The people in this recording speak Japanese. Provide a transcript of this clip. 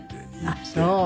ああそう？